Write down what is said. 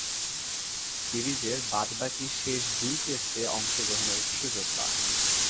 সিরিজের বাদ-বাকী শেষ দুই টেস্টে অংশগ্রহণের সুযোগ পান।